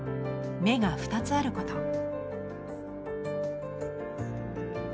「目が２つあること」。